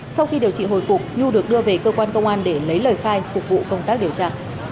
sau khi điều trị hồi phục nhu được đưa về cơ quan công an để lấy lời khai phục vụ công tác điều tra